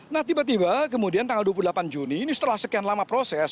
nah tiba tiba kemudian tanggal dua puluh delapan juni ini setelah sekian lama proses